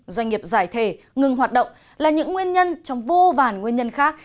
doanh nghiệp giải thể ngừng hoạt động là những nguyên nhân trong vô vàn nguyên nhân khác